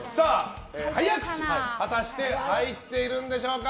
早口、果たして入っているのでしょうか。